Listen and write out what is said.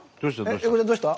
英孝ちゃんどうした？